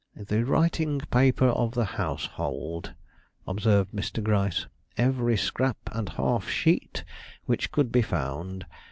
"The writing paper of the household," observed Mr. Gryce; "every scrap and half sheet which could be found.